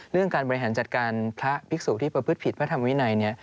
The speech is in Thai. เรื่องการบริหารจัดการพระภิกษุที่ประพฤติผิดพระธรรมวินัย